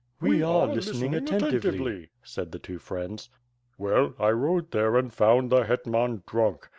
'' "We are listening attentively," said the two friends. "Well, I rode there and found the hetman drunk.